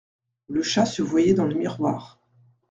Le chat se voyait dans le miroir.